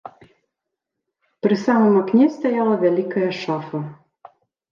Пры самым акне стаяла вялікая шафа.